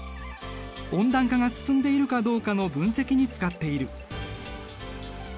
温暖化が進んでいるかどうかの分析に使っている。